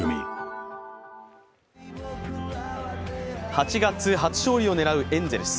８月、初勝利を狙うエンゼルス。